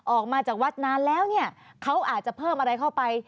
ออกมาจากวัดนานแล้วเนี่ยเขาอาจจะเพิ่มอะไรเข้าไป